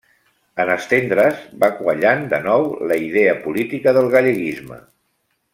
En estendre's, va quallant de nou la idea política del galleguisme.